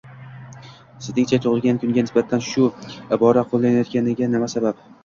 Sizningcha, tugʻilgan kunga nisbatan shu ibora qoʻllanayotganiga sabab nima